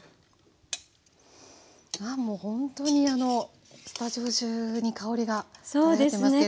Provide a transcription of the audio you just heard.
もうほんとにスタジオ中に香りが漂ってますけれども。